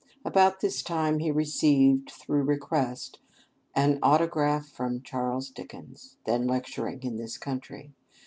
About this time he received, through request, an autograph from Charles Dickens, then lecturing in this country.